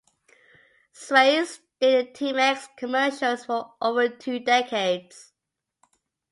Swayze did the Timex commercials for over two decades.